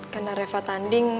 karena reva tanding